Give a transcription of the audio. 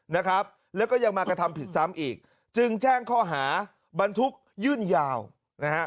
นะครับแล้วก็ยังมากระทำผิดซ้ำอีกจึงแจ้งข้อหาบรรทุกยื่นยาวนะฮะ